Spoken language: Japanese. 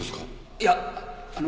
いやあの。